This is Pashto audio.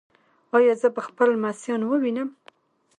ایا زه به خپل لمسیان ووینم؟